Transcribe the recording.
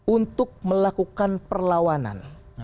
untuk melakukan perlawanan